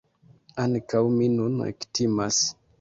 Ankaŭ mi nun ektimas.